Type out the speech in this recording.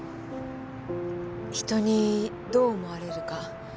人にどう思われるか。